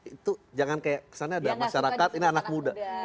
itu jangan kayak kesannya ada masyarakat ini anak muda